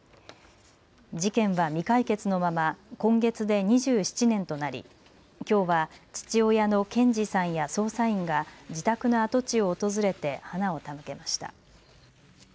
事件は未解決のまま今月で２７年となり、きょうは父親の賢二さんや捜査員が自宅の跡地を訪れて花を手向けました。